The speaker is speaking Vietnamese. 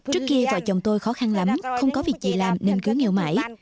trước kia vợ chồng tôi khó khăn lắm không có việc gì làm nên cứ nghèo mãi